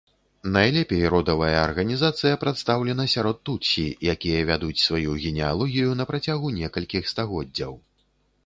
Найлепей родавая арганізацыя прадстаўлена сярод тутсі, якія вядуць сваю генеалогію на працягу некалькіх стагоддзяў.